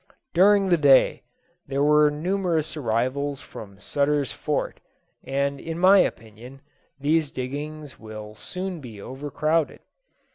During the day, there were numerous arrivals from Sutter's Fort; and in my opinion, these diggings will soon be overcrowded.